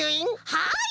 はい！